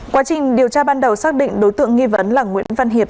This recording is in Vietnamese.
quá trình điều tra ban đầu xác định đối tượng nghi vấn là nguyễn văn hiệp